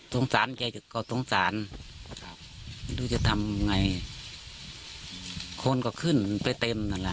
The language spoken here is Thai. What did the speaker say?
สงสารแกลูกก็สงสารดูจะทำไงคนก็ขึ้นเป็นเต็มนั่นแหละ